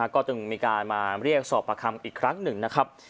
ก็จึงมีการมาเรียกสอบประคำอีกครั้งหนึ่งนะครับ